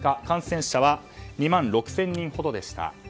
感染者は２万６０００人ほどでした。